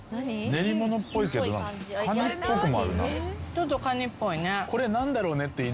ちょっとカニっぽいね。